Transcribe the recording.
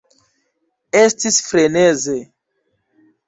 Estis freneze